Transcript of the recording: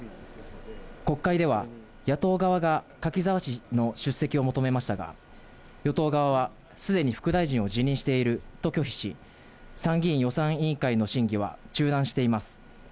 国会では野党側が柿沢氏の出席を求めましたが、与党側はすでに副大臣を辞任していると拒否し、参議院予算委員会の審議は中断しています。